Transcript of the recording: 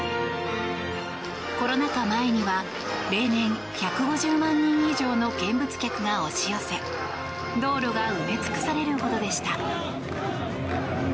コロナ禍前には例年１５０万人以上の見物客が押し寄せ道路が埋め尽くされるほどでした。